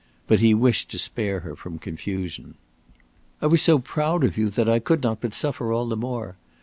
But he wished to spare her from confusion. "I was so proud of you that I could not but suffer all the more.